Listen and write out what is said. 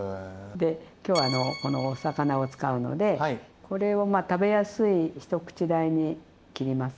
で今日このお魚を使うのでこれを食べやすい一口大に切りますね。